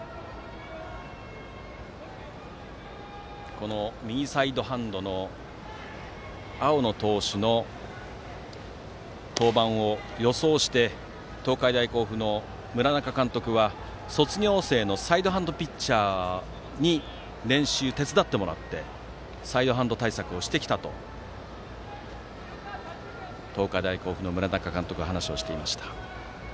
この右サイドハンドの青野投手の登板を予想して東海大甲府の村中監督は卒業生のサイドハンドピッチャーに練習を手伝ってもらってサイドハンド対策をしてきたと東海大甲府の村中監督は話をしていました。